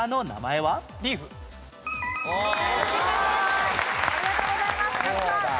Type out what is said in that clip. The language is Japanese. すごい！ありがとうございますカズさん。